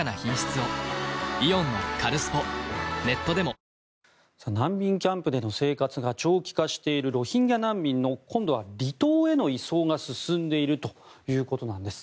颯颯アサヒの緑茶「颯」難民キャンプでの生活が長期化しているロヒンギャ難民の離島への移送が進んでいるということなんです。